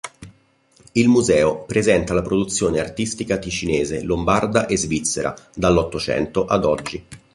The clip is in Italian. Il museo presenta la produzione artistica ticinese, lombarda e svizzera dall’Ottocento ad oggi.